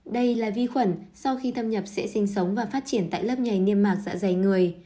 đây là vi khuẩn sau khi thâm nhập sẽ sinh sống và phát triển tại lớp nhảy niêm mạc dạ dày người